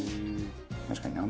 確かにね。